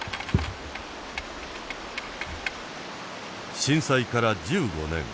震災から１５年。